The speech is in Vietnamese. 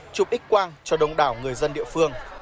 chụp x quang cho đông đảo người dân địa phương